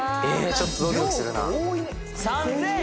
ちょっとドキドキするな３，０００円？